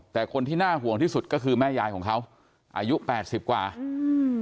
แต่คนที่น่าห่วงที่สุดก็คือแม่ยายของเขาอายุแปดสิบกว่าอืม